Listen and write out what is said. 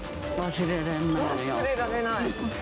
忘れられない？